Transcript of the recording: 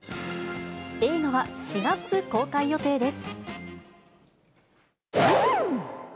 映画は４月公開予定です。